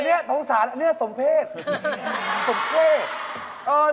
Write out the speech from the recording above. อันนี้สงสารอันนี้สมเพศ